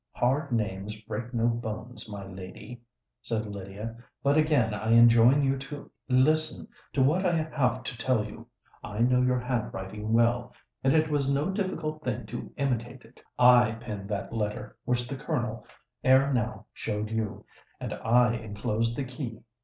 "Hard names break no bones, my lady," said Lydia. "But again I enjoin you to listen to what I have to tell you. I knew your handwriting well—and it was no difficult thing to imitate it. I penned that letter which the Colonel ere now showed you—and I enclosed the key.